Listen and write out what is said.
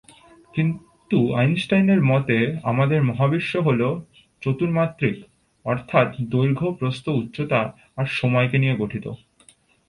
কিন্তু আইনস্টাইনের মতে আমাদের মহাবিশ্ব হলো চতুর্মাত্রিক অর্থাৎ দৈর্ঘ্য, প্রস্থ, উচ্চতা আর সময়কে নিয়ে গঠিত।